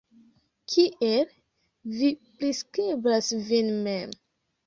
Kiel vi priskribas vin mem?